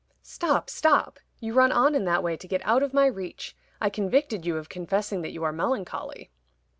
"Stop, stop! You run on in that way to get out of my reach. I convicted you of confessing that you are melancholy."